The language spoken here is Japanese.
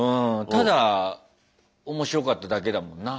ただ面白かっただけだもんな。